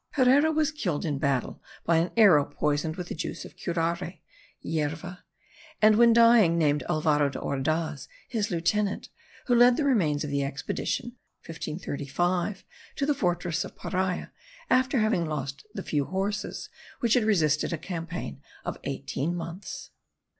Herrera was killed in battle by an arrow poisoned with the juice of curare (yierva); and when dying named Alvaro de Ordaz his lieutenant, who led the remains of the expedition (1535) to the fortress of Paria, after having lost the few horses which had resisted a campaign of eighteen months.